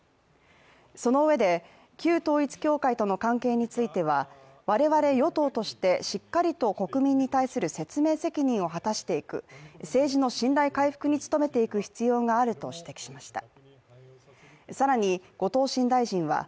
そのうえで、旧統一教会との関係については我々与党としてしっかりと国民に対する説明責任を果たしていく政治の信頼回復に努めていく必要があると指摘しました。